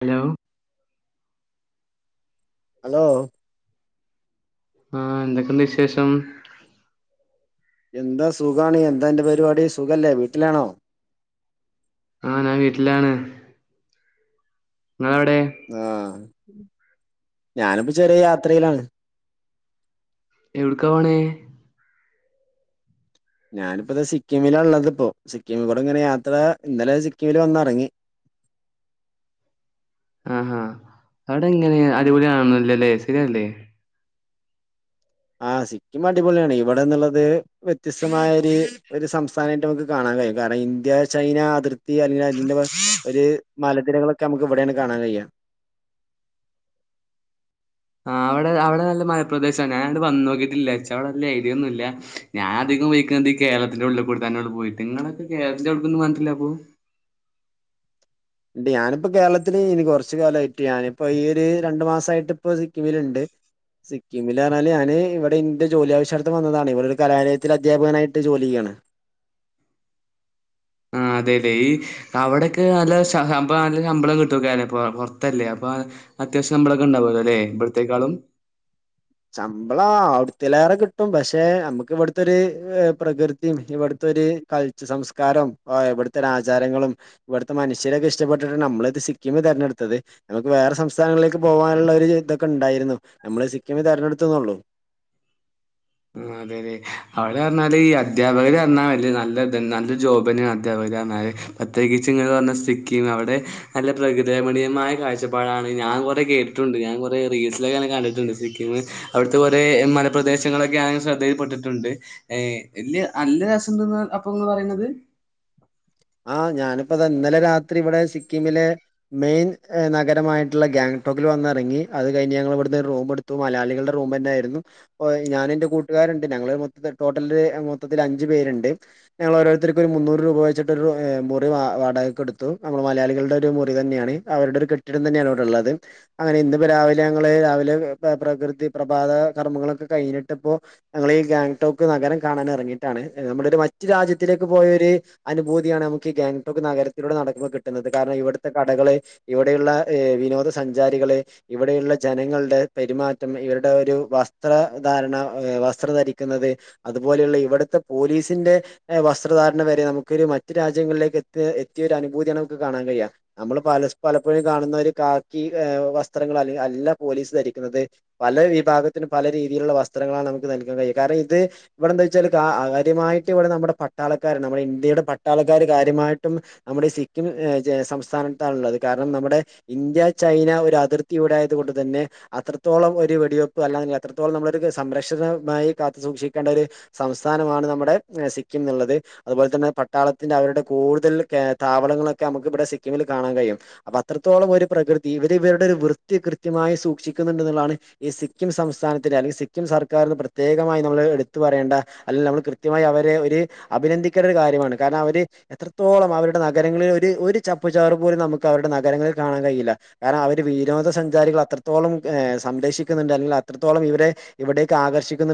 Hello hello ആഹ് എന്തൊക്കെണ്ട് വിശേഷം? എന്താ സുഖാണ്. എന്താ അന്റെ പരിപാടി സുഖല്ലേ വീട്ടിലാണോ? ആഹ് ഞാ വീട്ടിലാണ്. നിങ്ങളവിടെ ആഹ് ഞാനിപ്പ ചെറ്യേ യാത്രയിലാണ്. എവിടക്കാ പോണേ ഞാനിപ്പോ ഇതേ സിക്കിമിലാ ഉള്ളത് ഇപ്പോ സിക്കീമി കൂടെ ഇങ്ങനെ യാത്ര ഇന്നലെ സിക്കിമില് വന്നിറങ്ങി ആ ആ അവിടെ എങ്ങനെ അടിപൊളി ആളൊന്നും ഇല്ലല്ലേ ശരിയല്ലേ ആ സിക്കിം അടിപൊളിയാണ് ഇവിടെന്നുള്ളത് വ്യത്യസ്തമായ ഒരു ഒരു ഒരു സംസ്ഥാനമായിട്ട് നമുക്ക് കാണാം അതേ കാരണം ഇന്ത്യ ചൈന അതിർത്തി അല്ലെങ്കിൽ അതിന്റെ ഒരു മലനിരകളൊക്കെ നമുക്ക് ഇവിടെയാണ് കാണാൻ കഴിയുക ആഹ് അവിടെ അവിടെ നല്ല മ ലപ്രദേശമാണ് ഞാനവിടെ വന്ന് നോക്കിട്ടില്ല എനിച്ച് അവിടെ വല്ല്യ ഐഡിയ ഒന്നുമില്ല ഞാന് അധികം പോയേക്കുന്നത് കേരളത്തിന്റെ ഉള്ളിൽക്കൂടെ ത ന്നെയാണ് പോയിട്ട് നിങ്ങളൊക്കെ കേരളത്തിന്റെ അവിടേക്കൊന്നും വന്നിട്ടില്ല അപ്പോ ഞാനിപ്പോ കേരളത്തില് ഇനി കുറച്ചു കാലമായിട്ട് ഞാനിപ്പോ ഈയൊരു രണ്ടു മാസവായിട്ട് ഇപ്പോ സിക്കിമിലുണ്ട് സിക്കിമില് പറഞ്ഞാല് ഞാന് ഇവിടെ ഇന്റെ ജോലി ആവശ്യാർത്തം വന്നതാണ് ഇവിടെ ഒരു കലാലയത്തിൽ അധ്യാപകനായിട്ട് ജോലി ചെയ്യാണ് ആ അതേല്ലെ ഈ അവിടൊക്കെ നല്ല നല്ല [unintelligible] ശമ്പളം കിട്ടുവല്ലേ പുറത്തല്ലേ അപ്പൊ അത്യാവശ്യം ശമ്പളമൊക്കെ ഉണ്ടാവൂല്ലോ അല്ലെ ഇവിടുത്തേക്കാളും ശമ്പളം അവിടുത്തിലേറെ കിട്ടും പക്ഷെ നമ്മുക്ക് ഇവിടുത്തെ ഒരു പ്രകൃതിയും ഇവിടുത്തെ ഒരു കൾ സംസ്കാരവും ഇവിടുത്തെ ഒരു ആചാരങ്ങളും ഇവിടുത്തെ മനുഷ്യരൊക്കെ ഇഷ്ടപ്പെട്ടിട്ട് നമ്മള് സിക്കിമ് തിരഞ്ഞെടുത്തത് നമുക്ക് വേറെ സംസ്ഥാനങ്ങളിലേക്ക് പോകാനുള്ള ഒരു ഇതൊക്കെ ഉണ്ടായിരുന്നു നമ്മള് സി മ തെരഞ്ഞെടുത്തുന്നുള്ളു അതെ അതെ അവള് പറഞ്ഞാല് ഈ അധ്യപകര് പറഞ്ഞാൽ വല് നല്ല നല്ല ജോബ് തന്നെയാണ് അധ്യാപകര് പ്രത്യേകിച്ച് ഇങ്ങ പറഞ്ഞ സിക്കിം അവിടെ നല്ല പ്രകൃരമണീയമായ കാഴ്ചപ്പാടാണ് ഞാൻ ഞാൻ കുറെ കേട്ടിട്ടുണ്ട് ഞാൻ കുറെ റീസൊക്കെെ കണ്ടിട്ടുണ്ട് സിക്കി അവിടുത്തെ കുറേ മലപ്രദേശങ്ങളക്കെ ശ്രദ്ധയിൽപ്പെട്ടിട്ടുണ്ട് ഏ വ നല്ല രസംണ്ടെന്ന് [unintelligible] [inaudible] ആ ഞാനിപ്പോ ഇന്നലെ രാത്രി ഇവിടെ സിക്കിമിലെ മെയിൻ നഗരമായിട്ടുള്ള ഗാംഗ ൽ വന്നിറങ്ങി അത് കഴിഞ്ഞഞ് ഞ ഇവിടു റൂ എടുത്തു. മലയാളികള റൂം തന്നായിരുന്നു ഞാൻ എന്റെ കൂട്ടുകാ ണ്ട്ൾ മൊ ടോട്ടൽ മൊത്തിൽ അഞ്ച പരുണ്ട് ഞങ്ങ ഓരോരുത്തർക്ക് ഒരു മുന്നൂറ് രൂപ വെച്ചിട്ട് മുറി വാടകെടുത്തു നമ്മൾ മലയാളികളുടെ ഒരു മുറി തന്നെയാണ്. അവരുടെ ഒരു കെട്ടിടം തന്നെയാണ് ഇവിടെള്ളത്. അങ്ങനെ ഇന്നപ്പോ രാവിലെ ഞങ്ങള് രാവിലെ പ്രകൃതി പ്രഭാത കർമ്മങ്ങളൊക്കെ കഴിഞ്ഞിട്ട് ഇപ്പോ ഞങ്ങീ ഗാംഗടോക്ക് നഗരം കാണാൻ ഇറങ്ങിയിട്ടാണ്. നമ്മുടെ ഒരു മറ്റു രാജ്യത്തിലേക്ക് പോയൊരു അനുഭൂതിയാണ് നമുക്ക് ഈ ഗാംഗ്ടോക് നഗരത്തിലൂടെ നടക്ക്പോൾ കിുന്നത്. കാരണം ഇവിടുത്തെ കടകള് ഇവിടെയുള്ള വിനോദ സഞ്ചാരികള് ഇവിടെയുള്ള ജനങ്ങളുടെ പെരുമാറ്റം. ഇവരുടെ ഒരു വസ്ത്രധാരണ വസ്ത്രം ധരിക്കുന്നത്. അതുപോലെയുള്ള ഇവിടുത്തെ പോലീസിന്റെ വസ്ത്രധാരണ വരെ നമുക്ക് മറ്റ രാജ്യങ്ങളിലേക്ക് എ എത്തിയ ഒരു അനുഭൂതിയാണ്. നുക്ക് കാണാൻ കഴിയാം നമ്മള് പലപ്പോഴും കാണുന്ന ബാക്കി വസ്ത്രങ്ങൾ അല്ല പോലീസ് ധരിക്കുന്നത്. പല വിഭാഗത്തിനും പല രീതിയിലുള്ള വസ്ത്രങ്ങ നമുക്ക് നൽകാൻ കഴിയും കാരണം ഇത് ഇവിടെന്താ വെച്ചാൽ കാര്യമായിട്ട് ഇവിടെ നമ്മുടെ പട്ടാളക്കാരെ നമ്മുടെ ഇന്ത്യയുടെ പട്ടാളക്കാാര് കാര്യമായിട്ടും. നമ്മുടെഈ സിക്കിം സംസ്ഥാനത്താണള്ളത് കാരണം നമ്മുടെ ഇന്ത്യ ചൈന ഒരു അതിർത്തിയ ഉടായത് കൊണ്ട് തന്നെ അത്രത്തോളം ഒരു വെടിവെപ്പ് അല്ലാ അത്രത്തോളം നമ്മളൊരു സംരക്ഷണം ഭമായി കാത്തു സൂക്ഷിക്കേണ്ട ഒരു സംസ്ഥാനമാണ് നമ്മുടെ സിക്കിം എന്നുള്ളത്. അതുപോലെ തന്നെ ളത്തിന്റെ അവരുടെ കൂടുൽ താവളങ്ങളൊക്കെ നമുക്ക് ഇവിടെ സിക്കിമിൽ കാണാൻ കഴിയും. അപ്പൊ അത്രത്തോളം ഒരു പ്രകൃ ഇവർ ഇവരുടെ വൃത്തി കൃത്യമായി സൂക്ഷിക്കുന്നുണ്ട്ള്ളാണ്. ഈ സിക്കിം സംസ്ഥാനത്തിലെ അല്ലെങ്കിൽ സിക്കിം സർക്കാ പ്രത്യേകമായി നമ്മൾ എടുത്തു പറയേണ്ട. അല്ലെങ്കിൽ നമ്മൾ കൃത്യമായി അവരെ ഒരു അഭിനന്ദിക്കേണ്ട ഒരു കാര്യമാണ്. കാരണം അവര് എത്രത്തോളം അവരുടെ നഗരങ്ങളിൽ ഒരു ഒരു ചപ്പു ചാറ് പോലും നമുക്ക് അവരുടെ നഗരങ്ങളിൽ കാണാൻ കഴിയില്ല. കാരണം അവര് വിനോദ സഞ്ചാരികളെ അത്രത്തോളം സംരക്ഷിക്കുന്നുണ്ട്. അല്ലെങ്കിൽ അത്രത്തോളം ഇവരെ ഇവിടക്ക് ആകർഷിക്കതാണ്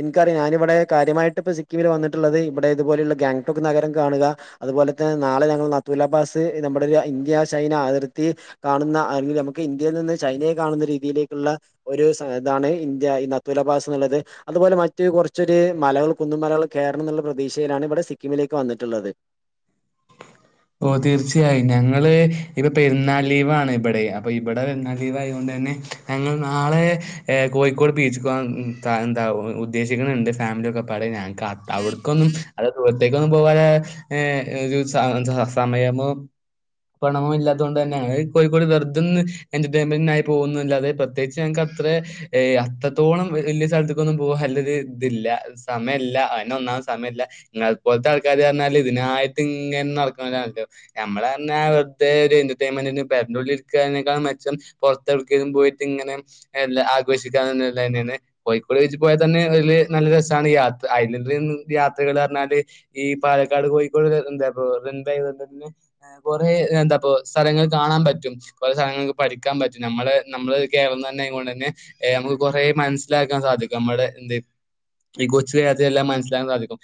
എനിക്കറിയ ഞാന ഇവിടെ കാര്യമായിട്ട് ഇപ്പ സിക്കിമിൽ വന്നിട്ടുള്ളത്. ഇവിടെ ഇതുപലുള്ള ഗാ നഗരം കാണുക അതുപോലെ തന്നെ നാളെ ഞങ്ങൾ നത്തുലബാസ്. നമ്മുടെ ഇന്ത്യ ചൈന അതിർത്തി കാണുന്ന അല്ലെങ്കിൽ നമുക്ക് ഇന്ത്യയിൽ നിന്ന് ചൈനയെ കാണുന്ന. രീതിയിലേക്കുള്ള ഒരു ഇതാണ് ഇന്ത്യ തുലഭാസ എന്നുള്ളത് അതുപോലെ മറ്റ കുറച്ചൊരു മലകൾ കുന്നുമലകൾ കേയറണം എന്നുള്ള പ്രതീക്ഷയിലാണ്. ഇവിടെ മിലേക്ക് വന്നിട്ടുള്ളത്. ഓ തീർച്ചയായും ഞങ്ങള് ഇപ്പ പെരുന്നാൾ ലീവ് ആണ് ഇവിടെ അപ്പൊ ഇവിടെ പെരുന്നാൾ ലീവ് ആയോണ്ട്. പിന്നെ ഞങ്ങൾ നാളെ കോഴിക്കോട് ബീച്ച്ക്ക് പോകാൻ എന്താ ഉദ്ദേശിക്കുന്നുണ്ട്. ഫാമ പടൊ [unintelligible] അടക്കൊന്നും അ ദൂരത്തേക്കൊന്നും പോക് സമയമോ പണമോ ഇല്ലാത്തുക കൊണ്ട്. തന്നെയാണ് കോഴിക്കോ വെറുതും എന്റർടൈൻമെന്റിനായി പോകുന്ന അാതെ പ്രത്യേകിച്ച് ഞ അ അത്രത്തോളം വലിയ സ്ഥലത്തേക്കൊന്നും പോകല്ല ഇതില്ല സമയമല്ല ഒന സമയമല്ല ഇെ പോലത്തെ ആൾക്കാര് പറഞ്ഞാൽ ഇതിനായിട്ട് ഇങ്ങനെ നമ്മള പറാ വെറതെ ഒരു എന്റർൈമെന് പോരഉള്ളിൽ ഇരിക്കുന്ന മെച്ചം പുറത്ത് പോയിട്ട് ഇങ്ങനെ ആഘോഷിക്കെ [unintelligible] കോഴിക്കോ പോയാൽ തന്നെ നല്ല ബാണ് യാ [unintelligible] യാത്രകൾ പറഞ്ഞാല് ഈ പാലക്കാട് കോഴിക്കോട് എന്താ [unintelligible] കുറെ എന്താ സ്ഥലങ്ങൾ കാണാൻ പറ്റും കുറെേ സ്ഥലങ്ങൾക്ക് പഠിക്കാൻ പറ്റും നമ്മൾ നമ്മ നമ്മള് കേരളം തന്നെൊണ്ട് തന്നെ നമുക്ക് കുറെേ മനസിലാക്കാൻ സാധിക്കും നമ്മുടെ എന്ത് ഈ കൊച്ച് കേരത്തില്ലാം മനസ്സിലാക്കാൻ സാധിക്കും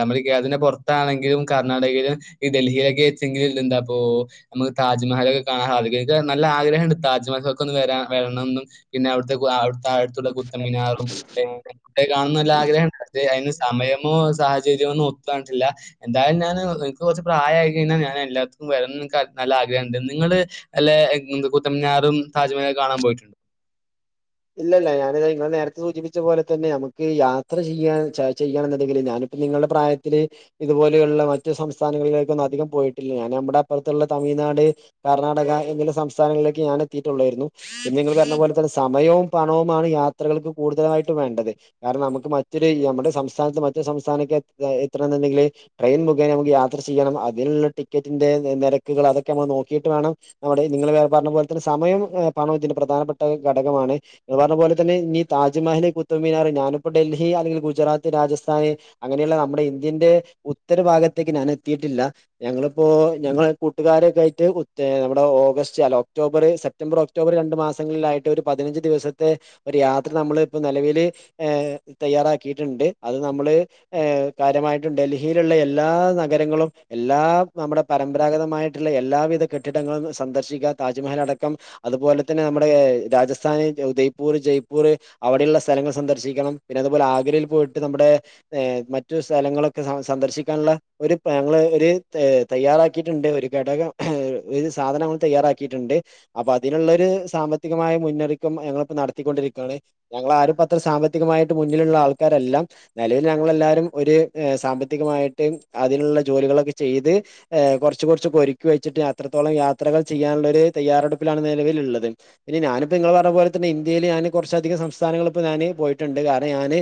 നമ്മുടെ കേരളത്തിന്റെ പുറത്താണെങ്കിലും കർണാടകൽ ഈ ഡൽഹിയിലൊക്കെ ചെങ്ങിലുണ്ട് അപ്പോനമുക്ക് താജ്മഹൽക്കെ കാണൻ സാധിക്കും എനിക്ക് നല്ല ആഗ്രഹംണ്ട് താജ്മഹലൊക്ക ഒന്ന് വരാ വരണംമെന്നും പിന്നെ അവിടുത്തെ അവിടുത്തെ അടുത്തുള്ള കുത്ത മിനാറും [unintelligible] കുട്ട കാണുന്നല്ല ആഗ്രഹം ഉണ്ട് അതെ അതിന് സമയമോ സാഹചര്യമോന്നും ഒത്താട്ടില്ല എന്തായാലും ഞാൻ [unintelligible] കുറച്ച് പ്രായമായി കഴിഞ്ഞാൽ ഞൻ എല്ലർക്കും വരക്ക് നല്ല ആഗ്രഹമണ്ട്ങ്ങള് [unintelligible] താജ്മഹലും കാണാൻ പോയിട്ടുണ്ട് ഇല്ലില്ല ഞാന് നിങ്ങള് നേരത്തെ സൂചിപ്പിച്ച പോലെ തന്നെ നമുക്ക് യാത്ര ചെയ്യാൻ ചെയ്യണോന്നുണ്ടെങ്കില് ഞാനി നിങ്ങളുടെ പ്രായത്തില് ഇതുപോലെയുള്ള മറ്റു സംസ്ഥാനങ്ങളിലേക്കൊന്നും അധികം പോയിട്ടില്ല ഞാന് നമ്മുടെ അപ്പുറത്തുള്ള തമിഴ് തമിഴ്നാട് കർണ്ണാടക എന്നിങ്ങനെ സംസ്ഥാനങ്ങളിലേക്ക് ഞാൻ എത്തിയിട്ടുള്ളായിരുന്നു പിന്നെ നിങ്ങള് പറഞ്ഞ പോലെ തന്നെ സമയവും പണവുമാണ് യാത്രകൾക്ക് കൂടുതലായിട്ടും വേണ്ടത് കാരണം നമുക്ക് മറ്റൊരു നമ്മുടെ സംസ്ഥാനത്ത് മറ്റ് സംസ്ഥാന എത്രയാണെന്നുണ്ടെങ്കിൽ ട്രെയിൻ മുഖേന നമുക്ക് യാത്ര ചെയ്യണം അതിനുള്ള ടിക്കറ്റിന്റെ നിരക്കുകൾ അതൊ ക്കെ നമ്മൾ നോക്കിയിട്ട് വേണം നമ്മടെ നിങ്ങള് പറഞ്ഞ പോലെ തന്നെ സമയവും പണവും ഇതിന്റെ പ്രധാനപ്പെട്ട ഒരു ഘടകമാണ് നിങ്ങള് പറഞ്ഞ പോലെ തന്നെ ഇന്നി താജ്മഹൽല് കുത്തു മിനനാർ ഞാനിപ്പ ഡൽഹി അല്ലെങ്കിൽ ഗുജറാത്ത് രാജസ്ഥാന് അങ്ങനെ- നമ്മള് ഇന്ത്യ ഉത്തരഭാഗത്തേക്ക് ഞാൻ എത്തിട്ടില്ല ഞങ്ങ്ളിപ്പോ ഞങ്ങള് കൂട്ടാരെ- [unintelligible] നമ്മടെ ഓഗസ്റ്റ്ല്ല ഒക്ടോബറ് സെപ്റ്റംബർ ഒക്ടോബർ രണ്ട് മാസങ്ങളിലായിട്ട് ഒരു പതിനഞ്ച് ദിവസത്തെ- ത്തെ ഒരു യാത്ര നമ്മള് ഇപ്പോ നിലവിൽ തയ്യാറാക്കിയിട്ടുണ്ട് അത് നമ്മള്- കാര്യമായിട്ടും ഡൽഹിയിലുള്ള എല്ലാ നഗരങ്ങളും എല്ലാ നമ്മുടെ പരമ്പരാഗതമായിട്ടുള്ള എല്ലാ- എല്ലാവിധ കെട്ടിടങ്ങളും സന്ദർശിക്കുക താജ്മഹൽ അടക്കം അതുപോലെ തന്നെ നമ്മുടെ രാജസ്ഥാന് ഉ- ് [unintelligible] പൂർ ജയ്പൂർ അവിടെയുള്ള സ്ഥലങ്ങൾ സന്ദർശിക്കണം പിന്നെ അതുപോലെ ആഗ്രയിൽ പോയിട്ട് നമ്മുടെ മറ്റ- സ്ഥലങ്ങളൊക്കെ സന്ദർശിക്കാനുള്ള ഒരു ഞങ്ങൾ ഒരു തയ്യാറാക്കിയിട്ടുണ്ട് ഒരു ഘടകം- സാധനം തയ്യാറാക്കിയിട്ടുണ്ട് അപ്പൊ അതിനുള്ള സാമ്പത്തികമായ മുന്നൊക്കം ഞങ്ങളി - ത്തിണ്ടിരിക്കയാണ് ഞങ്ങള് ആരും അത്ര സാമ്പത്തികമായിട്ട് മുന്നിലുള്ള ആൾക്കാരെല്ലാം നിലവിൽ ഞങ്ങളല്ലാവാരും ഒരു- സാമ്പത്തികമായിട്ട് അതിനുള്ള ജോലികളൊക്കെ ചെയ്ത് കൊറച്ച് കൊറച്ച് ഒരുക്കി വെച്ചിട്ട്- എത്രത്തോളം യാത്രകൾ ചെയ്യാനുള്ള ഒരു തയ്യാറെടുപ്പിലാണ് നെലവിലുള്ളത് പിന്നെ ഞാനിപ്പോ നിങ്ങള് പറഞ്ഞപോലെ തന്നെ- ഇന്ത്യയില് ഞാന് കൊറച്ച് അധിക സംസ്ഥാനങ്ങള് ഇപ്പ ഞാന് പോയിട്ടുണ്ട് കാരണം ഞാന്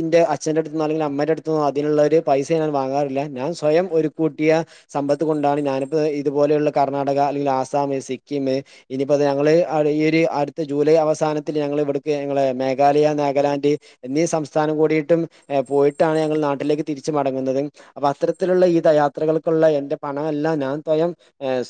ഇന്റെ അച്ഛന്റെ അടുത്തന്ന് അല്ലെങ്കില് അമ്മടെ അടുത്ത്- അതിനുള്ളരു പൈസ ഞാൻ വാങ്ങാറില്ല ഞാൻ സ്വയം ഒരുകൂട്ടിയ സമ്പത്ത് കൊണ്ടാണ് ഞാനപ്പോ ഇതു - പോലെയുള്ള കർണാടക അല്ലെങ്കിൽ ആസാം സിക്കിം ഇനിപ്പോ ഞങ്ങള് ഈ ഒരു അടുത്ത ജൂലൈ അവ- സംസ്ഥാനത്തിൽ ഞങ്ങള് ഇവിടുക്ക് മേഘാലയ നാഗാലാൻഡ് എന്നീ സംസ്ഥാനം കൂടിയിട്ടും പോയിട്ടാണ്- ഞങ്ങൾ നാട്ടിലേക്ക് തിരിച്ച മടങ്ങുന്നത് അപ്പൊ അത്തരത്തിലുള്ള ഈ യാത്രകൾക്കുള്ള എന്റെ പണം എല്ലാം ഞാൻ സ്വയം-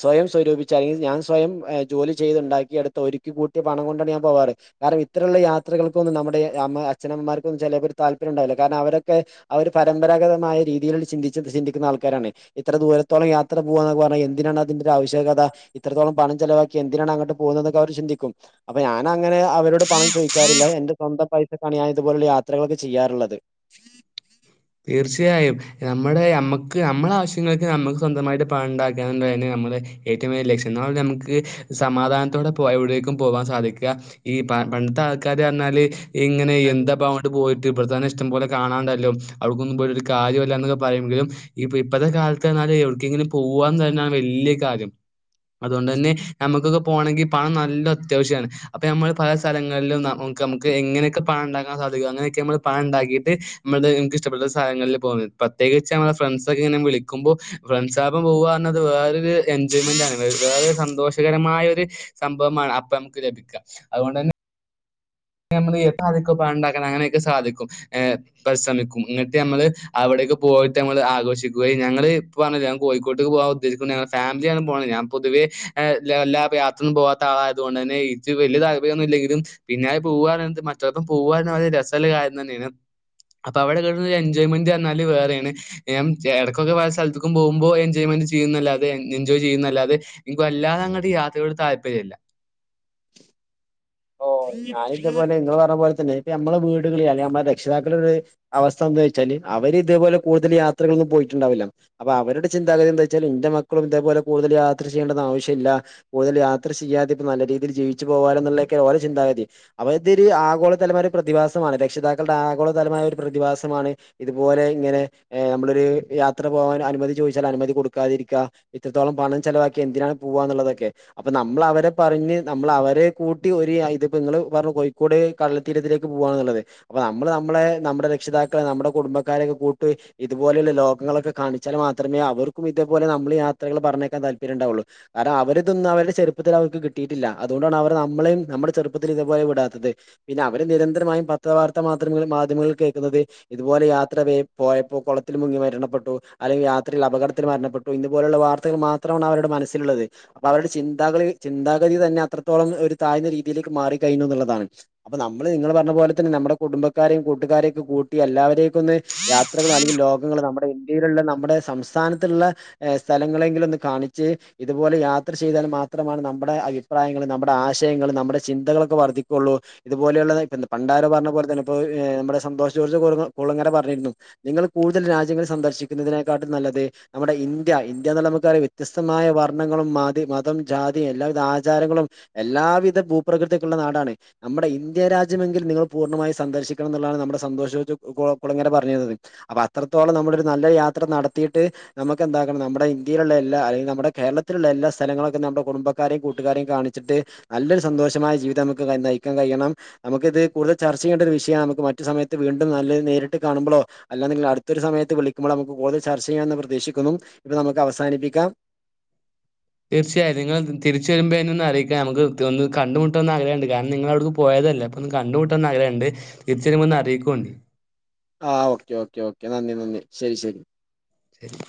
സ്വയം സ്വരൂപിച്ച് അല്ലെങ്കിൽ ഞാൻ സ്വയം ജോലി ചെയ്തുണ്ടാക്കിയെടുത്ത ഒരു കൂട്ടിയ പണം കൊണ്ടാണ് ഞാൻ- പോവാറ് കാരണം ഇത്രയുള്ള യാത്രകൾക്കൊന്നും നമ്മുടെ അമ്മ അച്ഛനമ്മമാർക്ക ചെർക്ക് താല്പ്പര്യം ഉണ്ടാവില്ല കാരണം അവരൊക്കെ- അവര് പരമ്പരാഗതമായ രീതിയിൽ ചിന്തിച്ച ചിന്തിക്കുന്ന ആൾക്കാരാണ് ഇത്ര ദൂരത്തോളം യാത്ര പോവുന്നൊക്ക - എന്തിനാണ് അതിന്റെ ഒരു ആവശ്യകത ഇത്രോളം പണം ചെലവാക്കി എന്തിനാണ് അങ്ങോട്ട് പോന്നത് എന്നോക്കെ അവര് ചിന്തിക്കും അപ്പ ഞാൻ - എന്നാ അങ്ങനെ അവരോട് പണം ചോദിക്കാറില്ല എന്റെ സ്വന്തം പൈസക്കാണ് ഞാൻ ഇതുപോലുള്ള യാത്രകളൊക്കെ ചെയ്യാറുള്ളത് [inaudible] തീർച്ചയായും നമ്മുടെ നമ്മുക്ക് നമ്മളെ ആവശ്യങ്ങൾക്ക് നമുക്ക് സ്വന്തമായിട്ട് പണം ഉണ്ടാക്കാന് നമ്മള് - ഏറ്റവും വലിയ ലക്ഷ്യം എന്ന നമുക്ക് സമാധാനത്തോടെ പോ എവിടേക്കും പോവാൻ സാധിക്കുക ഈ പണ്ടത്തെ- ആൾക്കാര് അർഞ്ഞാല് ഇങ്ങനെ എന്താപ്പ അവോണ്ട് പോയിട്ട് ബട്ത്തന്നെ ഇഷ്ടം പോലെ കാണാണ്ടല്ലോ. അവ്ട്ക്ക്ന്നും പോയിട്ടൊരു കാര്യമില്ലാന്ന്നൊക്കെ പറയെങ്കിലും ഇപ്പ ഇപ്പത്തെ കാലത്തർഞ്ഞാല് എവ്ട്ക്കെങ്കിലും പോവാതന്ന വല്യ ല്ല്യ കാരം അതോണ്ടന്നെ ഞമക്കൊക്കെ പോണങ്കി പണം നല്ല അത്യാവശ്യാണ്. അപ്പ ഞമ്മള് പല സ്ഥലങ്ങളിലും ന്ന ക്കമുക്കെ എങ്ങനെയൊക്കെ പണ ഉണ്ടാക്കാൻ സാധിക്കും അങ്ങനെയൊക്കെ നമ്മള് പണണ്ടാക്കിയിട്ട് [unintelligible] ഇഷ്ടപ്പെട്ട സ്ഥലങ്ങളിൽ പോവുന്നത്. പ്രത്യേകിച്ച് നമ്മളെ ഫ്രണ്ട്സ് ഒക്കെ ഇങ്ങനെ വിളിക്കുമ്പോ ഫ്രണ്ട്സാബം പോവാർഞ്ഞത് വേറെ ത് എൻജോയ്മെന്റാണ്. വെ വേറൊരു സന്തോഷകരമായ ഒരു സംഭവമാണ് അപ്പ അമക്ക് ലഭിക്ക. അതുകൊണ്ടന്നെ ഞമ്മള് [unintelligible] അങ്ങനെയൊക്കെ സാധിക്കും. ഏഹ് പരിശ്രമിക്കും ഇങ്ങട്ട് ഞമ്മള് അവിടെ തിക്ക് പോയിട്ട് ഞമ്മള് ആഘോഷിക്കുകയും ഞങ്ങള് പർഞ്ലെ ഞാ കോഴിക്കോട്ട്ക്ക് പോവാൻ ഉദ്ദേശിക്കുന്ന്യാ ഫാമിലിയാണ് പോണെ ഞാ പൊതുവേ എല്ലാ യാത്രൊന്നും പോവാത്ത ആളായതുകൊണ്ടന്നെ ഇച്ച് വലിയ താൽപര്യയൊന്നും ഇല്ലെങ്കിലും പിന്നെ പൂവനതും മറ്റതും പൂവാനാല് രസല്ലെ കാര്യന്നെയാണ്. അപ്പൊ അവിടെ കട്ത് എൻജോയ്മെന്റ് അർഞ്ഞാല് വേറെയാണ്. എം ജെ എട്കൊക്കെ വേറെ സ്ഥലത്ത്ക്കും പോവുമ്പോ എൻജോയ്മെന്റ് ചെയ്യുന്നല്ലാതെ എൻജോയ് ചെയ്യുന്നല്ലാതെ ഇൻക് വല്ലാങ്ങട്ട് യാത്രകള് താല്പര്യല്ല. ഞാൻ ഇതേപോലെ ഇങ്ങള് പർഞ്ഞ പോലെ തന്നെ ഇപ്പ നമ്മളെ വീടുകളില് അല്ലെ നമ്മളെ രക്ഷിതാക്കള് ഒരു അവസ്ഥ എന്താ വെച്ചാല് അവര് ഇതേപോലെ കൂടുതൽ യാത്രകളൊന്നും പോയിട്ടുണ്ടാവില്ല. അപ്പ അവരുടെ ചിന്താഗതി എന്താ വെച്ചാൽ ഇന്റെ മക്കളും ഇതേപോലെ കൂട് തൽ യാത്ര ചെയ്യേണ്ട ആവശ്യല്ല. കൂടുതൽ യാത്ര ചെയ്യാത ഇപ്പ നല്ല രീതിയിൽ ജീവിച്ചു പോവാലോന്നുള്ള ക്കെ ഓലെ ചിന്താഗതി. അപ്പ ഇതൊരു ആഗോളതലമായ ഒരു പ്രതിഭാസമാണ് രക്ഷിതാക്കളടെ ആഗോളതലമായ ഒരു പ്രതിഭാസം മാണ് ഇതുപോലെ ഇങ്ങനെ എഹ് നമ്മളൊരു യാത്ര പോകാൻ അനുമതി ചോദിച്ചാൽ അനുമതി കൊടുക്കാതിരിക്ക. ഇത്രത്തോളം പണം ചെലവാക്കി എന്തിനാണ് പോവാന്ന്ള്ളതൊക്കെ. അപ്പൊ നമ്മൾ അവരെ പറഞ്ഞ് നമ്മൾ അവരെ കൂട് ട്ടി ഒരിയാ ഇത്പ്പം ഇങ്ങള് പർഞ്ഞു കോഴിക്കോട് കടൽതീരത്തിലേക്ക് പോവാന്ന്ള്ളത്. അപ്പ നമ്മള് നമ്മളെ നമ്മുടെ രക്ഷിത ക്കെ നമ്മുടെ കുടുംബക്കാരെക്കെ കൂട്ട് ഇതുപോലെയുള്ള ലോകങ്ങളൊക്കെ കാണിച്ചാൽ മാത്രമേ അവർക്കും ഇതേപോലെ നമ്മളെ യാത്രകൾ പറഞ്ഞേക്കാ താല്പര്യം ഉണ്ടാവുള്ളൂ. കാര്ന അവരിതൊന്നും അവര്ടെ ചെറുപ്പത്ത്ല് അവർക്ക് കിട്ടിട്ടില്ല. അതുകൊണ്ടാണ് അവരെ നമ്മളേം നമ്മടെ ചെറുപ്പത്തിൽ ഇതുപോലെ വിടാത്തത്. പിന്നെ അവര് നിരന്തരമായും പത്ര വാർത്ത മാത്ര മാധ്യമങ്ങിൽ കേൾക്കുന്നത്. ഇതുപോലെ യാത്ര വേ പോയപ്പോ കൊളത്തിൽ മുങ്ങി മരണപ്പെട്ടു. അല്ലെങ്കിൽ യാത്രൽ അപകടത്തിൽ മരണപ്പെട്ടു. ഇ ലുള്ള വാർത്തകൾ മാത്രമാണ് അവരുടെ മനസ്സിലുള്ളത് അവരുടെ ചിന്താ ചിന്താഗതി തന്നെ അത്രത്തോളം ഒരു താഴ്ന്ന രീതിയിലേക്ക് മാറി കഴിഞ്ഞു എന്നുള്ളതാണ് അപ്പ നമ്മള് നിങ്ങള് പറഞ്ഞ പോലെന്നെ നമ്മുടെ കുടുംബക്കാരെയും കൂട്ടുകാരെയൊക്കെ ട്ട എല്ലാവരെക്കൊന്ന് യാത്രക അല്ലെങ്കിൽ ലോകങ്ങള നമ്മുടെ ഇന്ത്യയിലുള്ള നമ്മുടെ സംസ്ഥാനത്തിള്ള സ്ഥലങ്ങളെങ്കിലൊന്ന് കാണിച്ച് ഇതുപോലെ യാത്ര ചെയ്താൽ മാത്രമാണ് നമ്മുടെ അഭിപ്രായങ്ങൾ നമ്മുടെ ആശ വിഷയങ്ങളങ നമ്മുടെ ചിന്തകളൊക്കെ വർദ്ധിക്കുള്ളൂ ഇതുപോലുള്ള പണ്ടാരോ പറഞ്ഞ പോലെ തന്നെ നമ്മുടെ സന്തോഷ ളങ്ങര പറഞ്ഞിരുന്നു നിങ്ങൾ കൂടുതൽ രാജ്യങ്ങൾ സന്ദർശിക്കുന്നതിനെക്കാട്ടും നല്ലത് നമ്മുടെ ഇന്ത്യ ഇന്ത്യന്നുള്ള നമുക്കറിയാം വ്യത്യസ്തമായ വർണ്ണങ്ങളും മതി മതം ജാതിയും എല്ലാവിധ ആചാരങ്ങളും എല്ലാവിധ ഭൂപ്രകൃതിയൊക്കെള്ള നാടാണ് നമ്മുടെ ഇന്ത്യ രാജ്യമെങ്കിൽ നിങ്ങൾ പൂർണ്ണമായും സന്ദർശിക്കണം എന്നുള്ളതാണ് നമ്മുടെ സന്തോഷിച്ച കുളങ്ങനെ പറഞ്ഞിരുന്നത് അപ്പൊ അത്രത്തോളം നമ്മളൊരു നല്ല യാത്ര നടത്തിയിട്ട് നമുക്കെന്താ ണം നമ്മുടെ ഇന്ത്യയിലുള്ള എല്ലാ അല്ലെ നമ്മുടെ കേരളത്തിലുള്ള എല്ലാ സ്ഥലങ്ങളൊക്കെ നമ്മുടെ കുടുംബാരെം കൂട്ടുകാരെയും കാണിച്ചിട്ട് നല്ലൊരു സന്തോഷമായ ജീവിതം നമുക്ക് നയിക്കാൻ കഴിയണം നമുക്കിത് കൂടുതൽ ചർച്ച ചെയ്യേണ്ട ഒരു വിഷയമാണ് നമക്ക് മറ്റു സമയത്ത് വീണ്ടും നല്ലത് നേട്ട് കാണുമ്പളോ അല്ലെങ്കിൽ അടുത്തൊരു സമയത്ത് വിളിക്ക്പോ നമു കൂടുതൽ ചർച്ച ചെയ്യാമെന്ന് പ്രതീക്ഷിക്കുന്നു ഇപ്പൊ നമുക്ക് അവസാനിപ്പിക്കാം. തീർച്ചയായും നിങ്ങ തിരിച്ച് വരുമ്പോൾ എന്നെ ഒന്ന് അറിയിക്കാം നമുക്ക് ഒന്ന് കണ്ടുമുട്ടോന്ന് ആഗ്രഹുണ്ട് കാരണം നിങ്ങൾ അവിടുന്ന് പോയാൽ ല്ല അപ്പൊ ഒന്ന് കണ്ട് കൂട്ടന്ന് ആഗഹണ്ട് തിരിച്ച് വരുമ്പോ ഒന്ന് അറിയിക്കേണ്ടു ആഹ് ഓക്കെ ഓക്കെ ഓക്കെ നന്ദി നന്ദി ശരി ശരി ശരി